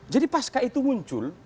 jadi pas itu muncul